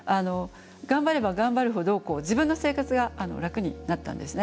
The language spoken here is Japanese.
頑張れば頑張るほど自分の生活が楽になったんですね。